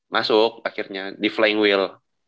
masuk akhirnya di flying will